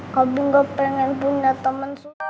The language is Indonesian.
kalo gue gak pengen bunda temen suster